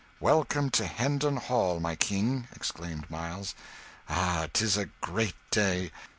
"Welcome to Hendon Hall, my King!" exclaimed Miles. "Ah, 'tis a great day!